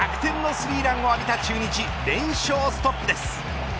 逆転のスリーランを浴びた中日連勝ストップです。